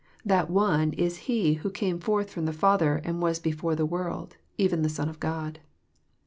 That One is He who came forth~from the Father, and was before the world,— even the Son of God.